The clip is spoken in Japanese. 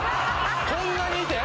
こんなにいて！？